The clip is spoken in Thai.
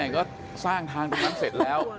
ก็สร้างทางตรงนั้นเสร็จแล้ว